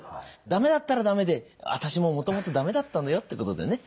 駄目だったら駄目で「私ももともと駄目だったのよ」ってことでね。